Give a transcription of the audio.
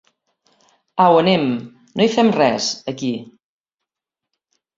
Au anem, no hi fem res, aquí.